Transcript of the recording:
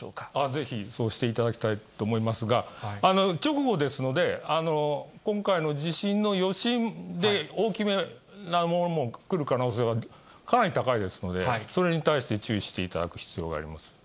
ぜひ、そうしていただきたいと思いますが、直後ですので、今回の地震の余震で、大きめなものもくる可能性はかなり高いですので、それに対して注意していただく必要があります。